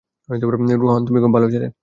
রোহান, তুমি খুব ভাল ছেলে।